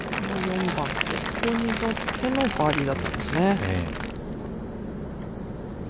４番、ここに乗ってのバーディーだったんですね。